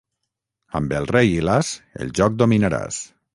Amb el rei i l'as el joc dominaràs.